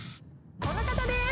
この方です。